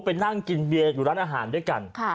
ไปนั่งกินเบียร์อยู่ร้านอาหารด้วยกัน